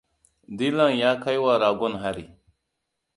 Dilan ya kaiwa ragon hari.